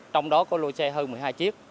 trong đó có lôi xe hơn một mươi hai chiếc